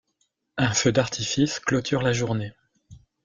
Un feu d'artifice clôture la journée.